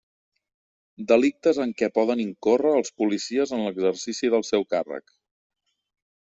Delictes en què poden incórrer els policies en l'exercici del seu càrrec.